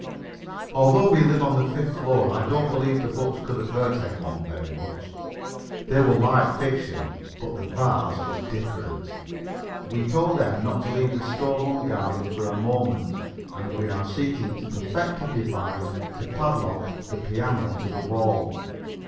Although we live on the fifth floor, I don't believe the books could have hurt anybody very much. They were light fiction, but the vase is different. We told M. not to leave the stove unguarded for a moment, and we are seeking to perfect a device to padlock the piano to the wall.